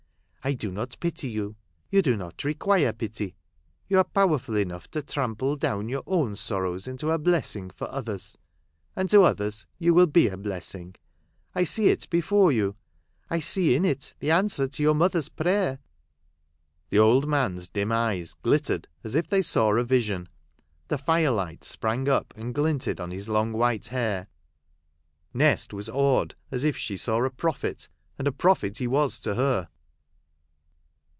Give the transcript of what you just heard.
I do not pity you. You do yot require pity. You are powerful enough to trample down your own sorrows into a blessing for others ; and to others you will be a blessing ; I see it before you ; I see in it the answer to your mother's prayer." The old man's dim eyes glittered as if they saw a vision ; the fire light sprang up and glinted on his long white hair. Nest was awed as if she saw a prophet, and a prophet he was to her.